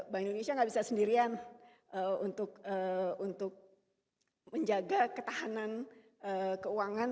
bank indonesia nggak bisa sendirian untuk menjaga ketahanan keuangan